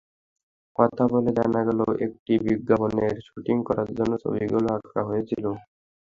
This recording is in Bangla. কথা বলে জানা গেল, একটি বিজ্ঞাপনের শুটিং করার জন্য ছবিগুলো আঁকা হয়েছিল।